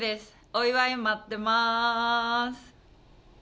お祝い、待ってまーす。